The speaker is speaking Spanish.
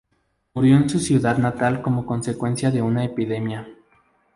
Murió en su ciudad natal como consecuencia de una epidemia.